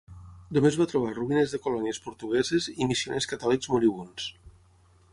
Només va trobar ruïnes de colònies portugueses i missioners catòlics moribunds.